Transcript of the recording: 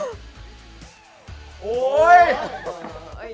เอาอีกเล็กลงมาถึง